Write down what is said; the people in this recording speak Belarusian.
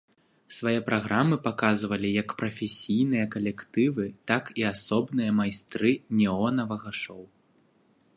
Свае праграмы паказвалі як прафесійныя калектывы, так і асобныя майстры неонавага шоў.